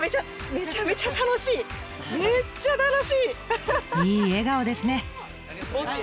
めちゃめちゃいい笑顔ですね！